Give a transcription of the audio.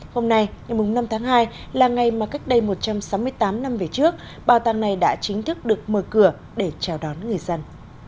hôm nay ngày năm tháng hai là ngày mà cách đây một trăm sáu mươi tám năm về trước bảo tàng này đã chính thức được mở cửa để chào đón người dân